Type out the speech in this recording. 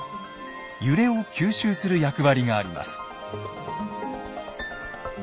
揺れを吸収する役割があります。